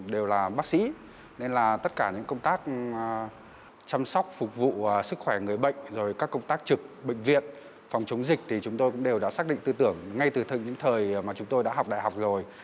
đều là bác sĩ nên là tất cả những công tác chăm sóc phục vụ sức khỏe người bệnh rồi các công tác trực bệnh viện phòng chống dịch thì chúng tôi cũng đều đã xác định tư tưởng ngay từ những thời mà chúng tôi đã học đại học rồi